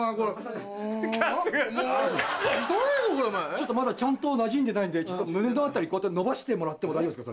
ちょっとまだちゃんとなじんでないんで胸の辺りこうやって伸ばしてもらっても大丈夫ですか？